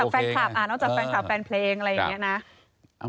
นอกจากแฟนคลับแฟนเพลงอะไรอย่างนี้นะ